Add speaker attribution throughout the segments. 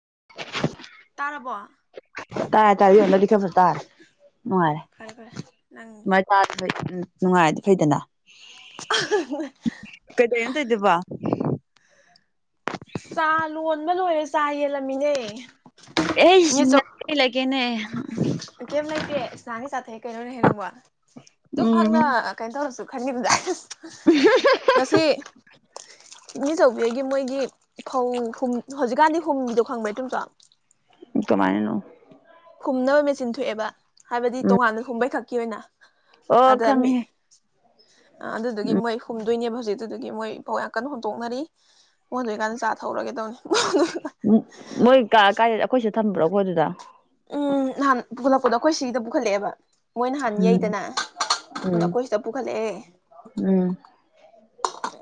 Speaker 1: [unintelligible]
Speaker 2: ꯇꯥꯔꯕꯣ
Speaker 1: ꯇꯥꯔ ꯇꯥꯔ ꯑꯣꯅ ꯂꯦ ꯐꯔ ꯇꯔ ꯔꯦ ꯇ ꯅꯨꯡꯉꯥꯏꯗꯤ ꯐꯩꯗꯅ ꯀꯗ ꯇ ꯗꯕꯥ
Speaker 2: ꯆꯥ ꯂꯣꯟꯕ ꯂꯣꯏꯔꯦ ꯆꯥ ꯌꯦꯜꯂꯝꯃꯤꯅꯦ
Speaker 1: ꯑꯩ ꯂꯩꯒꯦꯅꯦ
Speaker 2: ꯑꯦ ꯏꯁꯅꯥꯒꯤ ꯆꯥꯊꯩ ꯀꯩꯅꯣꯅꯦ ꯍꯥꯏꯅꯤꯡꯕ ꯗꯨ
Speaker 1: ꯎꯝ
Speaker 2: ꯐꯪꯅ ꯀꯩꯅꯅ ꯇꯧꯔꯁꯨ ꯈꯟꯅꯤꯡꯝꯗꯥ ꯉꯁꯤ ꯏꯅꯤꯆꯧꯕꯤ ꯑꯩꯒꯤ ꯃꯣꯏꯒꯤ ꯐꯧ ꯍꯧꯖꯤꯛꯀꯥꯟꯗꯤ ꯍꯨꯝꯒꯤꯗꯣ ꯈꯪꯕꯩꯠꯇꯨꯝ ꯆ
Speaker 1: ꯀꯃꯥꯏꯅꯣ
Speaker 2: ꯈꯨꯝꯅꯕ ꯃꯦꯆꯤꯟ ꯊꯣꯛꯑꯦꯕ ꯍꯥꯏꯕꯗꯤ
Speaker 1: ꯎꯝ
Speaker 2: ꯇꯣꯉꯥꯟꯅ ꯁꯨꯝꯕꯩ ꯈꯛꯇ ꯀ ꯑꯣꯏꯅ
Speaker 1: ꯑꯣ ꯈꯪꯉꯦ
Speaker 2: ꯑꯗꯨꯗꯨꯒꯤ ꯃꯣꯏ ꯍꯨꯝꯗꯣꯏꯅꯦꯕ ꯍꯧꯖꯤꯛ ꯑꯗꯨꯒꯤ ꯃꯣꯏꯐꯥꯎ ꯌꯥꯝ ꯀꯟꯅ ꯍꯨꯟꯗꯣꯛꯅꯔꯤ ꯃꯉꯣꯟ ꯑꯗꯨ ꯑꯣꯏꯏꯀꯥꯟꯗ ꯆꯥ ꯊꯧꯔꯒꯦ ꯇꯧꯅꯤ
Speaker 1: ꯃꯣꯏ ꯀꯥꯏ ꯑꯩꯈꯣꯏꯁꯨ ꯊꯟꯝꯕ꯭ꯔꯣꯈꯣꯏ ꯑꯗꯨꯗ
Speaker 2: ꯎꯝ ꯅꯍꯥꯟ ꯄꯨꯈꯠꯂꯛꯄꯗꯣ ꯑꯩꯈꯣꯏ ꯁꯤꯒꯤꯗ ꯄꯨꯈꯠꯂꯛꯑꯦꯕ ꯃꯣꯏ ꯅꯍꯥꯟ
Speaker 1: ꯎꯝ
Speaker 2: ꯌꯩꯗꯅ
Speaker 1: ꯎꯝ
Speaker 2: ꯅꯈꯣꯏ ꯁꯤꯗ ꯄꯨꯈꯠꯂꯛꯑꯦ
Speaker 1: ꯎꯝ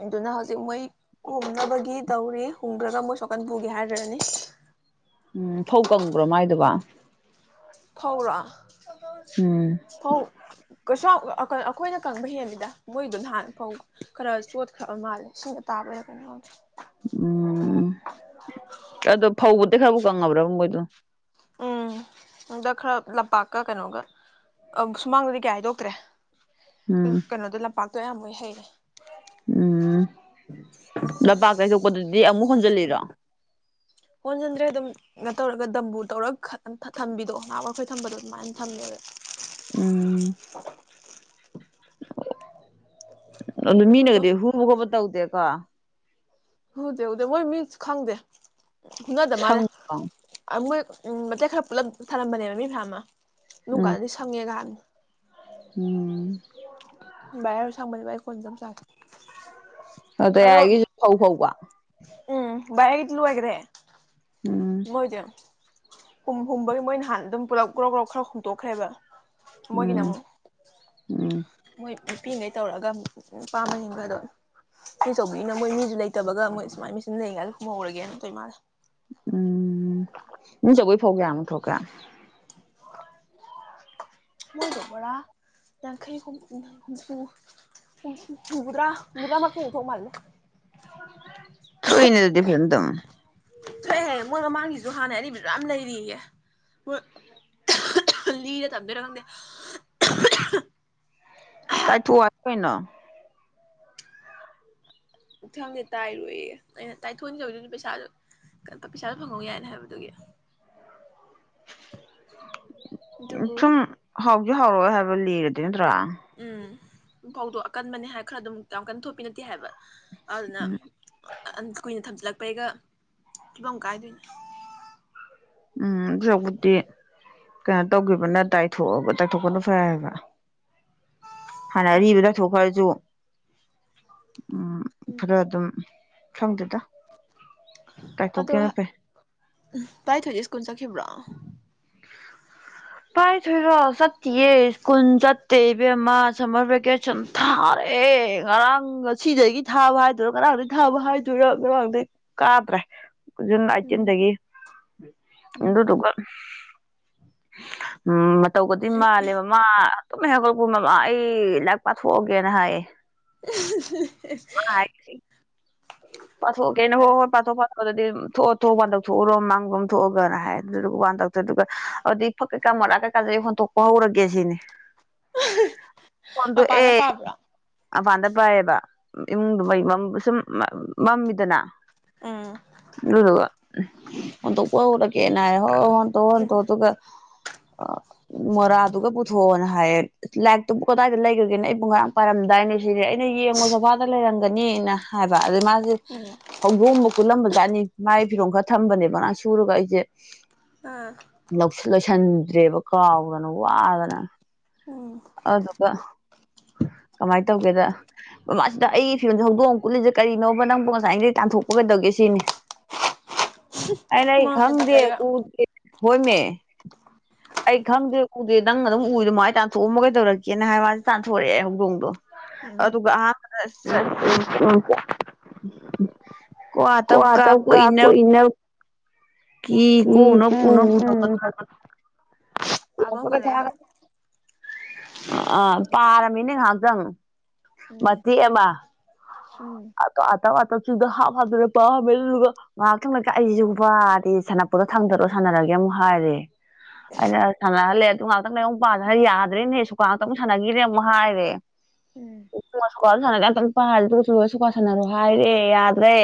Speaker 2: ꯑꯗꯨꯅ ꯍꯧꯖꯤꯛ ꯃꯣꯏ ꯍꯣꯡꯅꯕꯒꯤ ꯇꯧꯔꯤ ꯍꯣꯡꯗ꯭ꯔꯒ ꯃꯣꯏ ꯁꯣꯀꯟ ꯄꯨꯒꯦ ꯍꯥꯏꯈ꯭ꯔꯅꯤ
Speaker 1: ꯎꯝ ꯐꯧ ꯀꯪꯕ꯭ꯔꯣ ꯃꯥꯏꯗꯨꯕ
Speaker 2: ꯐꯥꯎꯔꯛ
Speaker 1: ꯎꯝ
Speaker 2: ꯍ ꯀꯁꯥ ꯑꯩꯈꯣꯏꯅ ꯀꯪꯕ ꯍꯦꯟꯜꯂꯤꯗ ꯃꯣꯏꯗꯣ ꯅꯍꯥꯟ ꯐꯥꯎ ꯈꯔ ꯆꯣꯠꯈ꯭ꯔ ꯃꯥꯜꯂꯦ ꯁꯤꯡꯗ ꯇꯥꯕꯩꯔꯥ ꯀꯩꯅꯣ ꯉꯧꯗꯦ
Speaker 1: ꯎꯝ ꯑꯗꯣ ꯐꯧꯕꯗꯤ ꯈꯔꯕꯨ ꯀꯪꯉꯕ꯭ꯔꯕ ꯃꯣꯏꯗꯣ
Speaker 2: ꯂꯝꯄꯥꯛꯀ ꯀꯩꯅꯣꯒ ꯁꯨꯃꯥꯡꯗꯗꯤ ꯀꯌꯥ ꯍꯥꯏꯗꯣꯛꯇ꯭ꯔꯦ
Speaker 1: ꯎꯝ
Speaker 2: ꯀꯩꯅꯣꯗ ꯂꯥꯛ ꯄ ꯑꯗꯨꯌꯥꯝꯃ ꯍꯩꯔꯦ
Speaker 1: ꯎꯝ ꯂꯄꯥ ꯀꯩꯁꯨ ꯀ ꯗꯤ ꯑꯃꯨꯛ ꯍꯣꯟꯖꯤꯜꯂꯤꯔꯣ
Speaker 2: ꯍꯣꯟꯁꯤꯟꯗ꯭ꯔꯦ ꯑꯗꯨꯝ ꯅ ꯇꯧꯔꯒ ꯗꯝꯕꯨ ꯇꯧꯔꯒ ꯊꯝꯕꯤꯗꯣ ꯉꯥꯡ ꯋꯥꯈꯣꯏ ꯊꯝꯕꯗꯣ ꯑꯗꯨꯃꯥꯏꯅ ꯊꯝꯃꯦꯕ
Speaker 1: ꯎꯝ [unintelligible] ꯑꯗꯨ ꯃꯟꯒꯗꯤꯦ ꯍꯨꯔ ꯍꯒꯣꯕ ꯇꯗꯦ ꯀꯀ
Speaker 2: ꯍꯧꯗꯦ ꯍꯧꯗꯦ ꯃꯣꯏ ꯃꯤ ꯈꯪꯗꯦ ꯅꯗ ꯃꯥꯅ
Speaker 1: ꯁꯪꯕ꯭ꯔꯣ
Speaker 2: ꯃꯣꯏ ꯎꯝ ꯃꯇꯦꯛ ꯈꯔ ꯄꯨꯜꯂꯞ ꯁꯥꯔꯝꯕꯅꯦꯕ ꯃꯤ ꯐꯥ ꯑꯃ
Speaker 1: ꯎꯝ
Speaker 2: ꯅꯨꯡꯒꯥꯗꯗꯤ ꯁꯪꯉꯦ ꯀꯕꯅꯤ
Speaker 1: ꯎꯝ
Speaker 2: ꯕꯥꯔ ꯆꯝꯅꯤꯥꯏ ꯀꯣꯟꯖꯝ ꯆꯥꯔꯤ
Speaker 1: ꯑꯗꯨꯗ ꯑꯩꯒꯤꯁꯨ ꯐꯧ ꯐꯧꯕ
Speaker 2: ꯥꯏꯦ ꯀꯠ ꯂ ꯋꯥꯥꯏꯒꯦꯔꯦ
Speaker 1: ꯎꯝ
Speaker 2: ꯃꯣꯏꯗ ꯍꯨꯝ ꯍꯨꯝꯕꯒꯤ ꯃꯣꯏ ꯅꯍꯥꯟ ꯑꯗꯨꯝ ꯄꯨꯂꯞ ꯒ꯭ꯔꯣꯛ ꯒ꯭ꯔꯣ ꯈꯔ ꯍꯨꯝꯇꯣꯛꯈ꯭ꯔꯦꯕ
Speaker 1: ꯎꯝ ꯎꯝ
Speaker 2: ꯃꯣꯏ ꯅꯨꯄꯤꯈꯩ ꯇꯧꯔꯒ ꯄꯥꯝꯕꯁꯤꯡꯒ ꯑꯗꯣ ꯀꯩꯆꯧꯕꯤꯅ ꯃꯣꯏ ꯃꯤꯁꯨ ꯂꯩꯇꯕꯒ ꯃꯣꯏ ꯁꯨꯃꯥꯏꯅ ꯃꯦꯆꯤꯟ ꯂꯩꯔꯤꯉꯥꯏꯗ ꯈꯨꯝꯍꯧꯔꯒꯦꯅ ꯅ ꯇꯧ ꯏ ꯃꯥꯥꯥꯁꯦ
Speaker 1: ꯎꯝ ꯃꯤ ꯆꯕꯣꯏ ꯐꯒꯦꯅ ꯊꯒ
Speaker 2: ꯀꯗ ꯌꯥꯈꯩꯨꯗ꯭ꯔꯥ ꯃꯗ꯭ꯔꯥ ꯃꯥ ꯀ ꯎꯊꯣꯛ ꯃꯥꯜꯅ
Speaker 1: ꯁꯨꯏꯅꯦ ꯑꯗꯨꯗꯤ ꯐꯗꯝ
Speaker 2: ꯍꯦ ꯍꯦ ꯃꯣꯏ ꯃꯃꯥꯡꯒꯤꯁꯨ ꯍꯥꯟꯅ ꯑꯔꯤꯕꯗꯨ ꯌꯥꯝ ꯂꯩꯔꯤꯌꯦꯦ ꯍꯣꯏ
Speaker 1: ꯎꯝ
Speaker 2: ꯀꯜꯂꯤꯔ ꯇꯗꯦ ꯔꯗ
Speaker 1: ꯇꯥꯏ ꯊꯣ ꯋꯥꯣꯏꯅ
Speaker 2: ꯎꯊꯪꯗꯤꯦ ꯇꯥꯏꯔꯣꯏꯌꯦ ꯑꯩꯅ ꯇꯥꯏꯊꯣꯛꯗꯕꯗꯨꯗꯤ ꯄꯩꯁꯥꯁꯨ ꯄꯩꯁꯥꯁꯨ ꯐꯪꯍꯧ ꯌꯥꯏꯅ ꯍꯥꯏꯕꯗꯨꯒꯤ
Speaker 1: ꯆꯨꯝ ꯍ ꯍꯧ ꯍꯧꯔꯛꯑꯣꯏ ꯍꯥꯏꯕ ꯂꯤꯔꯗꯤ ꯅꯠꯇ꯭ꯔꯣ
Speaker 2: ꯎꯝꯐꯥꯎꯗꯣ ꯑꯀꯟꯕꯅꯦ ꯍꯥꯏ ꯈꯔ ꯑꯗꯨꯝ ꯀꯟ ꯊꯣꯛꯄꯤ ꯅꯠꯇꯦ ꯍꯥꯏꯕ ꯑꯗꯨꯅ
Speaker 1: ꯎꯝ
Speaker 2: ꯀꯨꯏꯅ ꯊꯝ ꯂꯛꯄꯩꯒ ꯐꯤꯕꯝ ꯀꯥꯏꯗꯣꯏꯅꯤ
Speaker 1: ꯎꯝ ꯍꯧꯛꯄꯨꯗꯤꯤ ꯀꯩꯅꯣ ꯇꯧꯈꯤꯕꯅ ꯇꯥꯏꯊꯣꯛꯑꯒ ꯇꯥꯏꯊꯣꯛꯄꯅ ꯐꯔꯕ ꯍꯥꯟꯅ ꯑꯔꯤꯕꯗ ꯊꯣꯛꯈ꯭ꯔꯁꯨ [unintelligible] ꯎꯝ ꯐꯈꯔ ꯑꯗꯨꯝ ꯁꯪꯗꯗ
Speaker 2: ꯑꯗꯣ ꯎ ꯄꯥꯏꯊꯣꯏ ꯀꯨꯟ ꯆꯠꯈꯤꯕ꯭ꯔꯣ
Speaker 1: ꯄꯥꯏꯊꯣꯏꯔꯣ ꯆꯠꯇꯌꯦ ꯁ꯭ꯀꯨꯜ ꯆꯠꯇꯦ ꯏꯕꯦꯝꯃ ꯁꯝꯃꯔ ꯚꯦꯀꯦꯁꯟ ꯊꯥꯔꯦ ꯉꯔꯥꯡ ꯉꯁꯤꯗꯒꯤ ꯊꯥꯕ ꯍꯥꯏꯗꯣꯏꯔꯥ ꯉꯔꯥꯡꯗꯒꯤꯩ ꯊꯥꯕ ꯍꯥꯏꯗꯣꯏꯔꯣ ꯉꯔꯥꯡꯗꯒꯤꯩ ꯀꯥꯗ꯭ꯔꯦ ꯖꯨꯟ ꯑꯥꯏꯇꯤꯟꯒꯤ ꯇꯒ ꯎꯝ ꯃ ꯇꯧꯒꯗꯤꯣꯏ ꯃꯥꯜꯂꯦꯕꯃ ꯇꯨꯝ ꯍꯦꯟꯒꯠꯂꯛꯄ ꯃꯃ ꯑꯩ ꯂꯥꯏꯔꯤꯛ ꯄꯥꯊꯣꯛꯑꯒꯦꯅ ꯍꯥꯏꯌꯦ
Speaker 2: [unintelligible]
Speaker 1: ꯄꯊꯣꯒꯦꯅꯦ ꯄꯊꯣ ꯄ ꯑꯗꯨꯗꯤ ꯊꯣꯛꯑ ꯊꯣꯛ ꯋꯥꯟꯗꯣꯛ ꯊꯣꯛꯎꯔꯣ ꯃꯥꯡꯕ ꯑꯃ ꯊꯣꯛꯑꯒꯅ ꯍꯥꯏ ꯑꯗꯨꯗꯨꯒ ꯋꯥꯟ ꯇꯧꯊ ꯑꯗꯨꯒ ꯑꯗꯨꯗꯤ ꯐꯛ ꯀꯩꯀꯥ ꯃꯣꯔꯥ ꯀꯩꯀꯥꯥꯁꯩ ꯍꯣꯟꯇꯣꯛꯄ ꯍꯧꯔꯒꯦ ꯁꯤꯅꯤ ꯗꯨ ꯑꯦ ꯑꯥꯟꯗ ꯄꯑꯦꯕ ꯏꯃꯨꯡꯗꯨꯕꯩ ꯃ ꯁꯨꯝ ꯃꯝꯃꯤꯗꯅ ꯎ ꯋꯥ ꯎ ꯍ ꯇꯨ ꯀꯧꯔ ꯀꯦꯅꯥ ꯍꯣ ꯍꯟ ꯇꯣ ꯍꯟ ꯇꯣ ꯇꯒ ꯑ ꯃꯔ ꯑꯗꯨꯒ ꯄꯨꯊꯣꯅ ꯍꯥꯏ ꯂꯥꯏꯔꯤꯛꯇꯨꯕꯨ ꯀꯗꯥꯏꯗ ꯂꯩꯈꯤꯕꯒꯦꯅ ꯑꯩꯕꯨꯨꯡ ꯉꯔꯥꯡ ꯄꯥꯏꯔꯝꯗꯥꯏꯅꯦ ꯁꯤꯅꯦꯦ ꯑꯩꯅ ꯌꯦꯡꯉꯨ ꯖꯚ ꯂꯩꯔꯝꯒꯅꯤꯅ ꯍꯥꯏꯕ ꯑꯗꯨ ꯃꯥꯁꯦ ꯍꯧꯒꯣꯝꯕ ꯀꯨꯠꯂꯝꯕ ꯆꯥꯠꯅꯤ ꯃꯥꯏ ꯐꯤꯔꯣꯝ ꯈꯔ ꯊꯝꯕꯅꯦꯕ ꯉ ꯁꯨꯔꯒ ꯑꯩꯁꯦ ꯂ ꯂꯣꯏꯁꯟ ꯗꯦꯕꯀꯥꯎꯎꯗꯅꯨ ꯋꯥ ꯑꯗꯨꯅ ꯑꯗꯨꯒ ꯀꯃꯥꯏꯅ ꯇꯧꯒꯦꯗ ꯃꯃꯥꯁꯤꯗ ꯑꯩꯒꯤ ꯐꯤꯕꯝꯁꯦ ꯍꯧꯗꯣꯡꯑ ꯀꯨꯂꯤꯁꯦ ꯀꯔꯤꯅꯣꯕ ꯅꯪꯕꯨ ꯉꯁꯥꯏꯗꯒꯤꯩ ꯇꯥꯟꯊꯣꯛꯄ ꯀꯩꯗꯧꯒꯦ ꯁꯤꯅꯤ ꯑꯅ ꯑꯩ ꯈꯪꯗꯦ ꯎ ꯍꯣꯏꯃꯦ ꯑꯩ ꯈꯪꯗꯦ ꯎꯗꯦ ꯅꯪ ꯑꯗꯨꯝ ꯎꯏꯗ ꯃ ꯑꯩ ꯇꯥꯟꯊꯣꯛꯑꯝꯃ ꯀꯩꯗꯧꯔꯛꯀꯦꯅ ꯍꯥꯏꯕ ꯃꯥꯁꯦ ꯇꯥꯟꯊꯣꯔꯛꯑꯦ ꯍꯧꯗꯣꯡꯗꯣ ꯑꯗꯨ ꯑꯗꯨ ꯎ
Speaker 2: ꯀ
Speaker 1: ꯀꯥ
Speaker 2: ꯇ ꯀꯣꯏ ꯏ
Speaker 1: ꯀ ꯀꯣꯅ ꯀꯨ
Speaker 2: ꯄꯥꯕꯕꯣꯂ
Speaker 1: ꯑ ꯄꯥꯔꯝꯃꯤꯅꯦ ꯉꯥꯏꯍꯥꯛꯇꯪ ꯃ ꯑꯦꯃ ꯑ ꯍꯥꯞ ꯍꯥꯞ ꯄꯃꯦ ꯑꯗꯨ ꯉꯥꯏꯍꯥꯛ ꯊꯪꯂ ꯑꯩꯁꯤꯁꯨ ꯋꯥꯗꯤ ꯁꯥꯟꯅꯄꯗ ꯊꯥꯡꯗꯔꯛꯑꯣ ꯁꯥꯟꯅꯔꯒꯦ ꯑꯃꯨꯛ ꯍꯥꯏꯔꯦ ꯑꯗ ꯁꯥꯟꯅꯍꯜꯂꯦ ꯑꯗꯨ ꯉꯥꯏꯥꯛꯇꯪ ꯅ ꯑꯃꯨꯛ ꯄꯥꯗ ꯌꯥꯗ꯭ꯔꯔꯤꯅꯦꯁꯨ ꯉꯥꯏꯥꯛꯇꯪꯨꯛ ꯁꯥꯟꯅꯈꯤꯔꯦ ꯑꯃꯨꯛ ꯍꯥꯏꯔꯦ ꯅꯃꯁꯀꯣ ꯥꯟꯅ ꯄꯥꯗꯨ ꯂꯣꯏꯁꯨꯀ ꯁꯥꯟꯅꯔꯣ ꯍꯥꯏꯔꯦ ꯌꯥꯗ꯭ꯔꯦ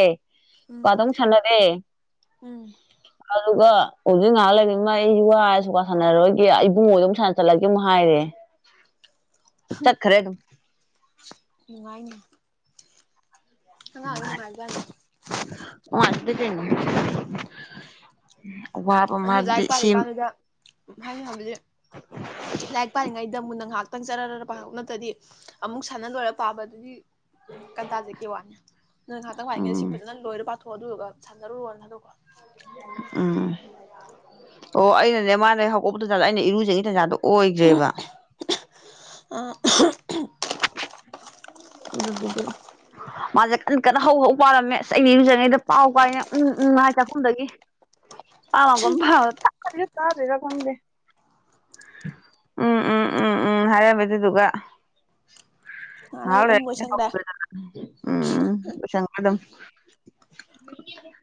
Speaker 1: ꯀꯗꯝꯝ ꯁꯟꯅꯗꯦ ꯑꯗꯨꯒ ꯍꯧꯖꯤꯛ ꯉꯥꯏꯍꯥꯛ ꯂꯩꯅꯤꯡ ꯃꯥ ꯑꯩꯁꯨ ꯋꯥꯁꯨ ꯁꯥꯟꯅꯔꯣꯏꯒꯦ ꯏꯕꯨꯡꯉꯣꯏꯗ ꯑꯃꯝ ꯁꯥꯟꯅ ꯆꯠꯂꯒꯦ ꯑꯃꯨꯛ ꯍꯥꯏꯔꯦ ꯆꯠꯈꯔꯦ
Speaker 2: ꯅꯨꯡꯉꯥꯏꯅ ꯍ ꯑꯗꯨꯅ ꯃꯥꯕ
Speaker 1: ꯇꯦꯅ
Speaker 2: ꯑꯗꯨ ꯂꯥꯏꯔꯤꯛ ꯄꯥꯔꯤ ꯀꯥꯟꯗꯨꯗ ꯍꯥꯏꯅ ꯍꯥꯏꯕꯗꯤ ꯂꯥꯏꯔꯤꯛ ꯄꯥꯔꯤꯉꯩꯗ ꯑꯃꯨꯟꯅ ꯉꯥꯏꯍꯥꯛ ꯇꯪ ꯆꯔ ꯅꯠꯇꯗꯤ ꯑꯃꯨꯛ ꯁꯥꯟꯅ ꯂꯣꯏꯔ ꯄꯥꯕ ꯑꯗꯨꯗꯤ ꯀꯟꯇꯥꯖ ꯀꯦ ꯋꯥꯅꯤ ꯅꯪ ꯉꯍꯥꯛꯇꯪ ꯋꯥꯅꯤꯡꯉꯦ ꯁꯤ
Speaker 1: ꯎꯝ
Speaker 2: ꯐꯖꯅ ꯂꯣꯏꯔ ꯄꯥꯊꯣꯛ ꯄꯣ ꯑꯗꯨꯔꯒ ꯁꯥꯟꯅꯔꯨꯔꯣꯅ ꯊꯗꯣꯛꯀꯣ
Speaker 1: ꯎꯝ ꯑꯣ ꯑꯩꯅꯅꯦ ꯃꯥꯅꯦ ꯍꯧꯀꯄ ꯇꯖꯥꯗ ꯑꯩꯅ ꯏꯔꯨꯖꯩ ꯇꯟꯖꯥꯗꯣ ꯑꯣꯏꯈ꯭ꯔꯦꯕ
Speaker 2: ꯑ
Speaker 1: ꯑꯗꯨꯗꯨꯒ ꯃꯥꯁꯦ ꯀꯟ ꯀꯟꯅ ꯍꯧꯕ ꯍꯧꯥꯎ ꯄꯥꯔꯂꯝꯃꯦ ꯑ ꯑꯩꯅꯤ ꯌꯨꯖꯔꯤꯉꯩꯗ ꯄꯥꯎ ꯄꯥꯏꯅꯦ ꯎꯝ ꯎꯝ ꯉꯥꯏ ꯆꯥꯛꯈꯨꯝꯗꯒꯤ ꯄꯥꯃꯥꯗꯔꯥ ꯈꯪꯗꯦ ꯎꯝ ꯎꯝ ꯎꯝ ꯎꯝ ꯍꯥꯏꯔꯝꯃꯦ ꯑꯗꯨꯗꯨꯒ ꯍꯂꯦ ꯀꯄꯗ ꯎꯝꯁꯪ ꯑꯗꯨꯝ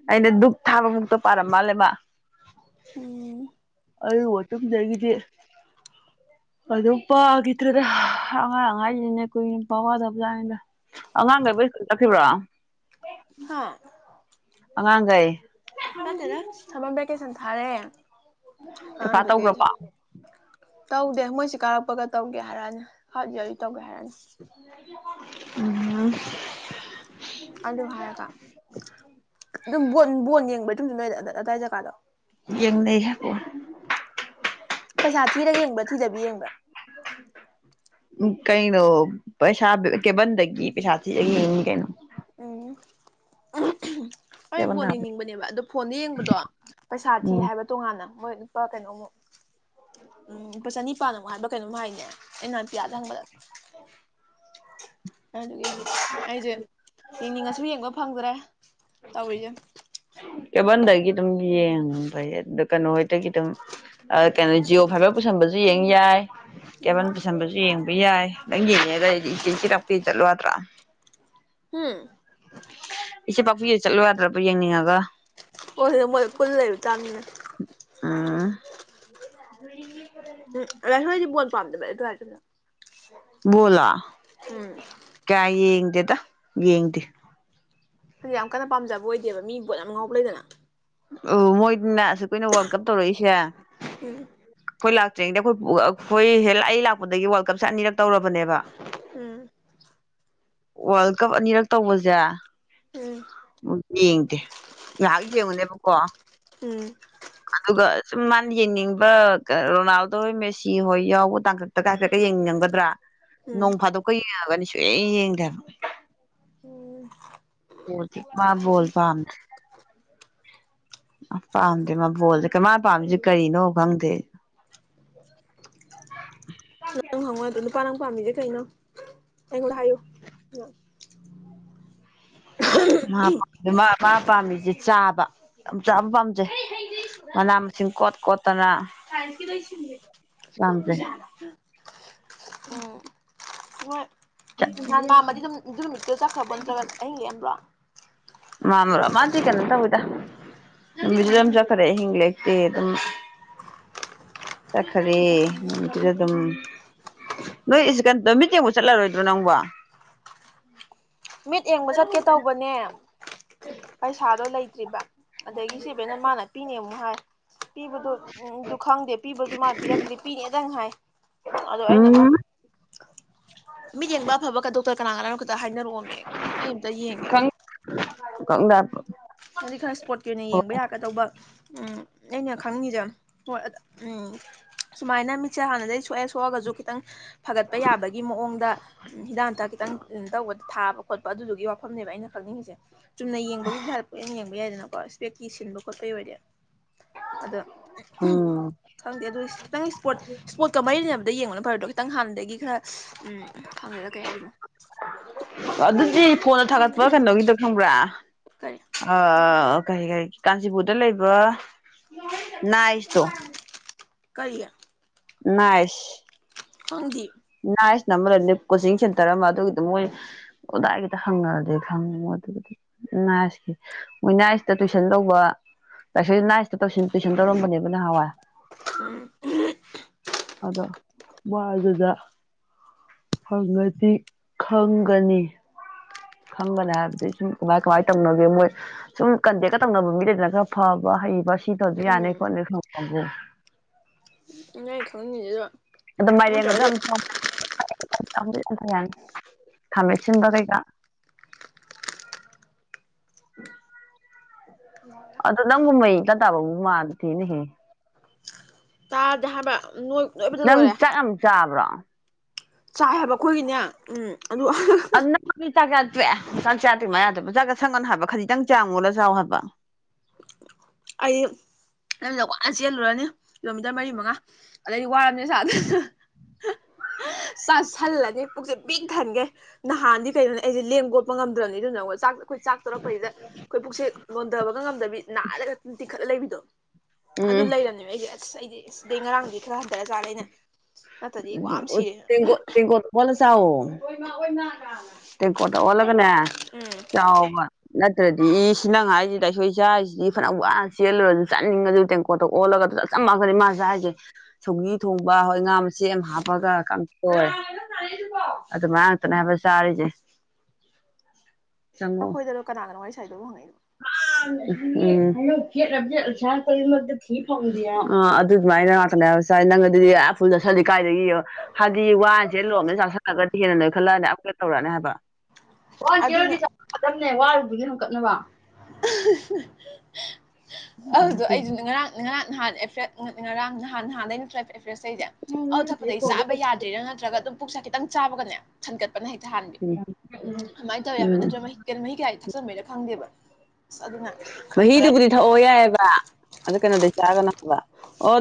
Speaker 1: ꯑꯩꯅ ꯙꯗꯨꯛ ꯊꯥꯕ ꯃꯨꯛꯇ ꯄꯥꯔꯝ ꯃꯥꯜꯂꯦꯕ ꯑꯗꯨ ꯃꯇꯨꯡꯗꯒꯤꯗꯤ ꯑꯗꯣ ꯄꯥꯈꯤꯗ꯭ꯔꯗ ꯑꯉꯥꯡ ꯑꯉꯥꯏꯁꯤꯅꯦꯈꯣꯏ ꯄꯋꯥꯗ ꯑꯉꯥꯡꯈꯩꯕꯨ ꯁ꯭ꯀꯨꯜ ꯆꯠꯈꯤꯕ꯭ꯔꯣ ꯑꯉꯥꯡ ꯀꯥꯏ
Speaker 2: ꯀꯇꯦꯔ ꯊꯃꯝꯕꯦ ꯆ ꯍꯥꯏꯔꯦ
Speaker 1: ꯀꯀꯥ ꯇꯧꯈ꯭ꯔꯕ
Speaker 2: ꯇꯧꯗꯦ ꯃꯣꯏꯁꯤ ꯀꯥꯔꯛꯄꯒ ꯇꯧꯒꯦ ꯍꯥꯏꯔꯛꯑꯅꯤ ꯀꯥꯔꯠ ꯌꯔꯤ ꯇꯧꯒꯦ ꯍꯥꯏꯔꯛꯅꯤ
Speaker 1: ꯎ ꯑ [unintelligible]
Speaker 2: ꯑꯗꯨꯝꯕ ꯕꯣꯟ ꯌꯦꯡꯕꯩ ꯑꯗꯨꯝꯁꯨ ꯂꯣꯏꯔ ꯑꯗꯥꯏ ꯖꯒꯥꯗꯣ
Speaker 1: ꯌꯦꯡꯅꯩ ꯍꯥꯏꯀꯣ
Speaker 2: ꯄꯩꯁꯥ ꯊꯤꯔꯒ ꯌꯦꯡꯕ꯭ꯔꯥ ꯊꯤꯗꯕꯤ ꯌꯦꯡꯕ꯭ꯔꯥ
Speaker 1: ꯀꯩꯅꯣ ꯄꯩꯁꯥ ꯀ ꯄꯩꯁꯥ ꯀꯅ
Speaker 2: ꯑꯩꯣꯏ ꯕꯣꯟ
Speaker 1: ꯊꯥꯕꯩ
Speaker 2: ꯌꯦꯡꯅꯤꯡꯕꯅꯦꯕ ꯑꯗꯣ ꯐꯣꯟꯗ ꯌꯦꯡꯕꯗꯣ ꯄꯩꯁꯥ ꯊꯤ
Speaker 1: ꯎꯝ
Speaker 2: ꯍꯥꯏꯕ ꯇꯣꯉꯥꯟꯅ ꯣꯏ ꯏꯄꯥ ꯀꯩꯅꯣꯃꯣ ꯎꯝ ꯂꯨꯄꯥ ꯆꯅꯤꯄꯥꯥꯟ ꯑꯃꯨꯛ ꯍꯥꯏꯕ ꯀꯩꯅꯣꯝꯃꯛ ꯍꯥꯏꯅꯦ ꯏꯟꯅꯄꯤꯌꯥ ꯌꯥꯗꯕ ꯑꯗꯨꯒꯤ ꯑꯩꯁꯦ ꯌꯦꯡꯅꯤꯡꯉꯁꯨ ꯌꯦꯡꯕ ꯐꯪꯗ꯭ꯔꯦ ꯇꯧꯒꯦ
Speaker 1: ꯀꯦꯕꯜꯗꯒꯤ ꯑꯗꯨꯝ ꯌꯦꯡꯕꯩ ꯑꯗꯨꯗ ꯀꯩꯅꯣ ꯍꯗꯒꯤ ꯑꯗꯨꯝ ꯀꯩꯅꯣ ꯖꯤꯑꯣ ꯐꯥꯏꯚꯔ ꯄꯨꯁꯟꯕꯁꯨ ꯌꯦꯡ ꯌꯥꯏ ꯀꯦꯕꯜ ꯄꯨꯁꯟꯕꯁꯨ ꯌꯦꯡꯕ ꯌꯥꯏ ꯅꯪ ꯌꯦꯡꯉꯦꯗ ꯑꯩꯗꯤ ꯏꯆꯦ ꯆꯤꯔꯥꯛꯄꯤꯤ ꯆꯠꯂꯣꯗ꯭ꯔꯥ ꯏꯆꯦ ꯄꯥꯛꯄꯤꯨ ꯆꯠꯂꯣ ꯌꯥꯗ꯭ꯔꯕ ꯌꯦꯡꯅꯤꯡꯉꯒ
Speaker 2: ꯍꯣꯏꯗ ꯃꯣꯏꯗ ꯀꯨꯟ ꯂꯩꯕ ꯆꯥꯃꯤꯅꯅꯤ
Speaker 1: ꯑ
Speaker 2: ꯎꯝ ꯔ ꯍꯥꯏꯗꯤ ꯣꯣꯟ ꯄꯝꯗꯕ ꯇ ꯍꯥꯏꯗꯅ
Speaker 1: ꯣꯂ ꯀꯌꯥꯏꯌꯦ ꯗꯦꯗ ꯌꯦꯌꯦꯗꯤꯤ
Speaker 2: ꯍꯟꯗꯤꯛ ꯌꯥꯝ ꯀꯟꯅ ꯄꯥꯝꯖꯕ ꯑꯣꯏꯗꯦꯕ ꯃꯤꯒꯤ ꯄꯣꯠ ꯌꯥꯝ ꯉꯉꯥꯎꯕ ꯂꯩꯗꯅ
Speaker 1: ꯑꯣ ꯃꯣꯏꯅ ꯑꯁꯨꯛ ꯑꯩꯈꯣꯏꯅ ꯋꯥꯔꯜꯗ ꯀꯞ ꯇꯧꯔꯛꯏꯁꯦ
Speaker 2: ꯎꯝ
Speaker 1: ꯑꯩꯈꯣꯏ ꯂꯥꯛꯇ꯭ꯔꯤꯉꯩꯗ ꯑꯩꯈꯣꯏ ꯑꯩꯈꯣꯏ ꯍꯦꯜ ꯑꯩ ꯂꯥꯛꯄꯗꯒꯤ ꯋꯥꯔꯜ ꯀꯞꯁꯦ ꯑꯅꯤꯔꯛ ꯇꯧꯔꯕꯅꯦꯕ ꯋꯥꯔꯜ ꯀꯞ ꯑꯅꯤꯔꯛ ꯇꯧꯕꯁꯦ ꯌꯦꯡꯗꯦ ꯉꯥꯏꯍꯥꯛ ꯌꯦꯡꯉꯨꯅꯦꯕ ꯀꯣ ꯑꯗꯨꯒ ꯁꯨꯝ ꯃꯥꯅ ꯌꯦꯡꯅꯤꯡꯕ ꯔꯣꯅꯥꯜꯗꯣ ꯍꯣꯏ ꯃꯦꯁꯤ ꯍꯣꯏ ꯌꯥꯎꯕ ꯇꯥꯡꯀꯛꯇ ꯀꯥꯏ ꯈꯛꯇ ꯌꯦꯡꯅꯤꯡꯅꯤꯡꯒꯗ꯭ꯔꯥ ꯅꯣꯡ ꯐꯥꯗꯣꯛꯀ ꯌꯦꯡꯉꯒꯅꯤ ꯁꯨꯡ ꯌꯦꯡꯗꯦꯕ ꯃꯥ ꯣꯜ ꯄꯥꯝꯗꯦ ꯄꯥꯝꯗꯦ ꯃꯥ ꯣꯜꯁ ꯃꯥ ꯄꯥꯝꯃꯤꯁꯦ ꯀꯔꯤꯅꯣ ꯈꯪꯗꯦ
Speaker 2: ꯑꯗꯨ ꯄꯃꯤꯗꯤꯦ ꯀꯩꯅꯩꯅ ꯑꯩꯉ ꯍꯥꯏꯌꯣ
Speaker 1: ꯃꯥ ꯃꯥ ꯄꯥꯝꯕꯤꯁꯦ ꯆꯥꯕ ꯌꯥꯝ ꯆꯥ ꯄꯥꯝꯖꯩ ꯃꯅꯥ ꯃꯁꯤꯡ ꯀꯣꯠ ꯀꯣꯠꯇꯅ ꯄꯥꯝꯖꯩ
Speaker 2: ꯅꯍꯥꯟ ꯃꯥꯃꯗꯤ ꯑꯗꯨꯝ ꯅꯨꯃꯤꯠꯇꯨ ꯆꯠꯈ꯭ꯔꯕꯣ ꯅꯠꯇ꯭ꯔꯒ ꯑꯍꯤꯡ ꯂꯦꯛꯑꯝꯕ꯭ꯔꯣ
Speaker 1: ꯃꯥꯃ꯭ꯔ ꯃꯥꯀꯦꯅ ꯇꯣꯏ ꯅꯨꯃꯤꯠꯠꯇꯨꯗ ꯑꯗꯨꯝ ꯆꯠꯈꯔꯦ ꯑꯍꯤꯡ ꯂꯦꯛꯇꯦ ꯑꯗꯨꯝ ꯆꯠꯈꯔꯦ ꯅꯨꯃꯤꯠꯇꯨꯗ ꯑꯗꯨꯝ ꯅꯣꯏꯁꯤ ꯀꯩꯅ ꯃꯤꯠꯡꯐꯥꯎ ꯆꯠꯂꯔꯣꯏꯗ꯭ꯔꯣ ꯅꯪꯕ
Speaker 2: ꯃꯤꯠ ꯌꯦꯡꯕ ꯆꯠꯀꯦ ꯇꯧꯕꯅꯦ ꯄꯩꯁꯥꯗꯣ ꯂꯩꯇ꯭ꯔꯤꯕ ꯑꯗꯒꯤ ꯁꯤꯕꯅ ꯃꯥꯅ ꯄꯤꯅꯦ ꯑꯃꯨꯛ ꯍꯥꯏ ꯄꯤꯕꯗ ꯎꯗꯨ ꯈꯪꯗꯦ ꯄꯤꯕꯁꯨ ꯃꯥꯅ ꯄꯤꯔꯛꯇ꯭ꯔꯤ ꯄꯤꯅꯦꯗꯪ ꯍꯥꯏ ꯑꯗꯣ ꯑꯩꯅ ꯑꯃ
Speaker 1: ꯎꯝ
Speaker 2: ꯃꯤꯠ ꯌꯦꯡꯕ ꯑꯐꯕ ꯀꯗꯧ ꯀꯅꯥꯒꯅ ꯍꯥꯏꯅ ꯑꯩꯇ ꯌꯦꯡꯉꯦ
Speaker 1: ꯀꯪꯗꯥ
Speaker 2: ꯍꯥꯏꯛ ꯈꯔ ꯏꯁꯄꯣꯠꯀꯤ ꯑꯣꯏꯅ ꯌꯦꯡꯕ ꯌꯥꯒꯗꯧꯕ ꯎꯝ ꯑꯩꯅ ꯈꯪꯅꯤꯡꯉꯤꯁꯦ ꯍꯣꯏ ꯎꯝ ꯁꯨꯃꯥꯏꯅ ꯃꯤ ꯍꯅꯗꯩ ꯁ ꯊꯣꯛꯑꯒꯁꯨ ꯈꯤꯇꯪ ꯐꯒꯠꯄ ꯌꯥꯕꯒꯤ ꯃꯑꯣꯡꯗ ꯍꯤꯗꯥꯛꯝꯊ ꯈꯤꯇꯪ ꯇꯧꯕꯗ ꯊꯥꯕ ꯈꯣꯠꯄ ꯑꯗꯨꯗꯨꯒꯤ ꯋꯥꯐꯝꯅꯦꯕ ꯑꯩꯅ ꯈꯪꯅꯤꯡꯉꯤꯁꯦ ꯆꯨꯝꯅ ꯌꯦꯡꯕꯒꯤ ꯄꯩꯁꯥ ꯌꯦꯡꯕ ꯌꯥꯏꯗꯅꯀꯣ ꯏꯁꯄꯦꯛꯀꯤ ꯁꯤꯟꯕ ꯈꯣꯠꯄꯒꯤ ꯑꯣꯏꯔꯗꯤꯦ ꯑꯗꯣ
Speaker 1: ꯎꯝ
Speaker 2: ꯈꯪꯗꯦ ꯑꯗꯨ ꯈꯤꯇꯪ ꯏꯁꯄꯣꯔꯠ ꯏꯁꯄꯣꯔꯠꯀ ꯃꯔꯤ ꯂꯩꯅꯕꯗ ꯌꯦꯡꯕꯅ ꯐꯔꯗꯣ ꯈꯤꯇꯪ ꯍꯥꯟꯕꯗꯒꯤ ꯈꯔ ꯎꯝ ꯐꯪꯗꯔ ꯀꯩ ꯍꯥꯏꯗꯅꯣ
Speaker 1: ꯑꯗꯨ ꯑꯗꯨꯗꯤ ꯐꯣꯟꯗ ꯊꯥꯒꯠꯄ ꯀꯩꯅꯣꯒꯤꯗ ꯈꯪꯕ꯭ꯔꯥ ꯑ ꯀꯔꯤ ꯀꯔꯤ ꯀꯥꯟꯆꯤꯄꯨꯔꯗ ꯂꯩꯕ ꯅꯥꯏꯁꯇꯣ
Speaker 2: ꯀꯔꯤ
Speaker 1: ꯃꯏꯁ
Speaker 2: ꯍꯪꯗꯤ
Speaker 1: ꯅꯥꯏꯁꯅ ꯑꯃꯗ ꯀꯣꯆꯤꯡ ꯁꯦꯟꯇꯔ ꯑꯃ ꯑꯗꯨꯒꯤꯗ ꯃꯣꯏ ꯑꯣꯗꯥꯏꯒꯤꯗ ꯍꯪꯉꯗꯤ ꯈꯪꯉꯤꯣ ꯑꯗꯨꯒ ꯅꯥꯏꯁꯀꯤ ꯃꯣꯏ ꯅꯥꯏꯁꯇ ꯇꯨꯏꯁꯟ ꯂꯧꯕ ꯂꯥꯏꯁ ꯅꯥꯏꯁꯇ ꯇ ꯇꯨꯏꯁꯟ ꯇꯧꯔꯝꯕꯅꯦꯕ ꯅꯍꯥꯟꯋꯥꯏ ꯑꯗꯣ ꯃꯥꯗꯨꯗ ꯐꯪꯉꯗꯤ ꯈꯪꯒꯅꯤ ꯈꯪꯕꯅ ꯍꯥꯏꯕꯗꯤ ꯁꯨꯝ ꯀꯃꯥꯏ ꯀꯃꯥꯏ ꯇꯧꯅꯒꯦ ꯃꯣꯏ ꯁꯨꯝ ꯀꯟꯇꯦꯛꯀ ꯇꯧꯅꯕ ꯃꯤꯗꯗꯅ ꯈꯔ ꯐꯕ ꯍꯩꯕ ꯁꯤ ꯇꯧꯁꯨ ꯌꯥꯅꯤ ꯈꯣꯠꯅ ꯈꯪ
Speaker 2: ꯅ ꯑꯩ ꯈꯪꯅꯤꯡꯁꯤꯗꯣ
Speaker 1: ꯑꯗꯨ ꯃꯦꯡꯒꯝ ꯌꯥ ꯊꯃꯦꯁꯤꯟ ꯇꯔꯦꯒ ꯎꯝ ꯑꯗꯨ ꯅꯪꯒꯨꯝꯍꯩ ꯀꯇꯥꯕꯕꯨ ꯃꯥꯗ ꯊꯦꯅꯍꯦ
Speaker 2: ꯇꯥꯗꯦ ꯍꯥꯏꯕꯣꯏ ꯅꯣꯏꯕꯗ ꯂꯣꯏꯔꯦ
Speaker 1: ꯑ
Speaker 2: ꯆꯥꯏ ꯍꯥꯏꯕ ꯑꯩꯈꯣꯏꯒꯤꯅꯦ ꯎꯝ
Speaker 1: ꯑ ꯀꯇꯥ ꯀꯌꯥ ꯆꯦ ꯍꯆꯥꯡ ꯆꯥꯗ꯭ꯣꯏ ꯃ ꯌꯥꯗꯕ ꯄꯨꯖꯥꯒ ꯁꯪꯒꯅ ꯍꯥꯏꯕ ꯈꯖꯤꯛꯇꯪ ꯆꯥꯡꯉꯣꯂ ꯆꯥꯎ ꯍꯥꯏꯕ
Speaker 2: ꯑꯩ ꯅꯗ ꯋꯥꯅ ꯆꯦꯜꯂꯨꯔꯅꯤ ꯀꯤꯂꯣꯃꯤꯇꯔ ꯃꯔꯤ ꯃꯉꯥ ꯑꯗꯩꯗꯤ ꯋꯥꯔꯝꯅꯦ ꯆ ꯆꯥ ꯁꯜꯂꯅꯤ ꯄꯨꯛꯁꯦ ꯕꯤꯛ ꯊꯟꯒꯦ ꯅꯍꯥꯟꯗꯤ ꯀꯩꯅꯣꯅꯤ ꯑꯩꯁꯦ ꯂꯦꯡꯒꯣꯠꯄ ꯉꯝꯗ꯭ꯔꯕꯅꯤ ꯑꯗꯨꯅ ꯑꯃ ꯆꯥꯛ ꯑꯩꯈꯣꯏ ꯆꯥꯛ ꯇꯧꯔꯛꯄꯩꯁꯤꯦ ꯑꯩꯈꯣꯏ ꯄꯨꯛꯁꯦꯛ ꯂꯣꯟꯊꯕꯒ ꯉꯝꯗꯕꯤ ꯅꯥꯜꯂꯒ ꯅꯨꯡꯇꯤ ꯈꯠꯂ ꯂꯩꯕꯤꯗꯣ ꯑꯗꯨ
Speaker 1: ꯎꯝ
Speaker 2: ꯂꯩꯔꯝꯅꯦꯕ ꯑꯩꯗꯤ ꯑꯁ ꯑꯩꯗꯤ ꯑꯦꯁꯗꯩ ꯉꯔꯥꯡꯗꯤ ꯈꯔ ꯍꯟꯊꯔ ꯆꯥꯠꯂꯦ ꯑꯩꯅ ꯅꯠꯇ꯭ꯔꯗꯤ ꯋꯥ ꯁꯤꯔꯦ
Speaker 1: ꯐꯁꯑꯣ ꯇꯦꯡꯀꯣꯠꯇ ꯑꯣꯜꯂꯒꯅꯦ ꯆꯥꯎꯕ ꯑꯗꯨꯗꯤ ꯁꯤꯅ ꯉꯥꯏꯁꯤꯗ ꯑꯩꯣꯏ ꯏꯆꯥꯥꯁꯤꯗꯤ ꯐꯅ ꯋꯥꯅ ꯆꯦꯜꯂꯨꯔꯁꯨ ꯆꯠꯅꯤꯡꯉꯁꯨ ꯇꯦꯡꯀꯣꯠꯇ ꯑꯣꯜꯂꯒ ꯆꯞ ꯆꯝꯥꯟꯒꯅꯤ ꯃꯥꯁꯦ ꯆꯔꯤꯁꯦ ꯁꯧꯒꯤ ꯊꯣꯡꯕ ꯍꯣꯏ ꯉꯥ ꯃꯆꯦ ꯑꯃ ꯍꯥꯞꯄꯒ ꯇꯧꯔꯦ ꯑꯗꯨꯃꯥꯏꯅ ꯉꯥꯛꯇꯅꯦ ꯍꯥꯏꯕ ꯆꯥꯔꯤꯁꯦ ꯆꯪꯉꯛꯑꯣ
Speaker 2: ꯑꯩꯈꯣꯏꯗꯅꯣ ꯀꯅꯥ ꯀꯅꯣ ꯋꯥꯔꯤ ꯁꯥꯏꯗꯕꯨ ꯍꯪꯉꯏꯅꯣ
Speaker 1: ꯎꯝ ꯑꯗꯨꯃꯥꯏꯅ ꯉꯥꯛꯀꯅꯦ ꯍꯥꯏ ꯅꯪꯗꯤꯨꯜꯗ ꯀꯥꯏꯗꯒꯤꯣ ꯍꯥꯏꯗꯤ ꯋꯥꯟꯁꯦ ꯂꯣꯝꯗ ꯆꯥꯛꯁꯜꯂꯛꯑꯒꯗꯤ ꯍꯦꯟꯅ ꯅꯣꯏ ꯈꯜꯂꯛꯑꯅꯦ ꯑꯃꯀ ꯇꯧꯔꯛꯑꯅꯤ ꯍꯥꯏꯕ ꯑꯗꯨꯗꯒꯤ ꯑꯃꯨ ꯀꯠꯅꯕ
Speaker 2: [unintelligible] ꯑꯗꯨꯗꯣ ꯑꯩꯗꯨ ꯉꯔꯥꯡꯅꯤꯥꯡ ꯅꯍꯥꯟ ꯑꯦ ꯉꯔꯥꯡ ꯅꯍꯥꯟ ꯅꯥꯟꯩꯩꯅ ꯑꯦ꯭ꯔꯦꯁꯁꯦ ꯑ ꯊꯛꯄꯗꯩ ꯆꯥꯕ ꯌꯥꯗ꯭ꯦꯔꯥ ꯅꯠꯇ꯭ꯔꯒ ꯑꯗꯨꯝ ꯄꯨꯛꯁ ꯈꯤꯇꯪ ꯆꯥꯕꯒꯅꯦ ꯁꯟꯒꯠ ꯀꯅ ꯍꯩ ꯊꯍꯥꯟꯕꯤ
Speaker 1: ꯎꯝ
Speaker 2: ꯑꯗꯨꯃꯥꯏꯅ ꯇꯧꯋꯦ ꯍꯥꯏꯕ
Speaker 1: ꯎꯝ
Speaker 2: ꯅꯠꯇ꯭ꯔꯒ ꯃꯍꯤ ꯀꯌꯥꯗꯤ ꯊꯛꯆꯟꯕꯩꯅ ꯈꯪꯗꯦꯕ
Speaker 1: ꯋꯥꯍꯤꯗꯤꯕꯨꯗꯤ ꯊ ꯑꯣ ꯌꯥ ꯑꯗ ꯀꯅꯗꯤꯦꯁꯒꯅ